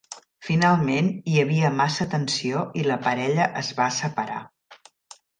Finalment, hi havia massa tensió i la parella es va separar.